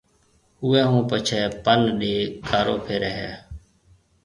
اوئيَ ھون پڇيَ پَن ڏَي گارو ڦيرَي ھيََََ